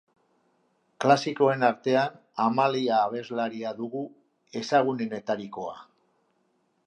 Klasikoen artean, Amalia abeslaria dugu ezagunenetarikoa.